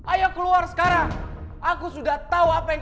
ayok keluar sekarang